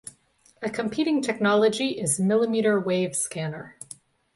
A competing technology is millimeter wave scanner.